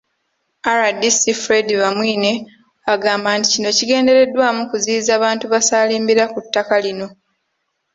RDC Fred Bamwine agamba nti kino kigendereddwamu kuziyiza bantu basaalimbira ku ttaka lino.